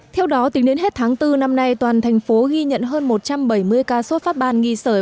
theo đó tính đến hết tháng bốn năm nay toàn thành phố ghi nhận hơn một trăm bảy mươi ca xuất phát ban nghi sởi